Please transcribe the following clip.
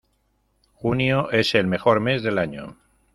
Junio es el mejor mes del año.